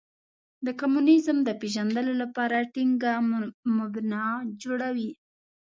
د کمونیزم د پېژندلو لپاره ټینګه مبنا جوړوي.